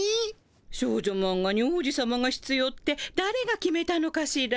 少女マンガに王子さまがひつようってだれが決めたのかしら？